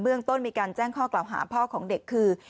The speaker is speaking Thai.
เรื่องต้นมีการแจ้งข้อกล่าวหาพ่อของเด็กคือ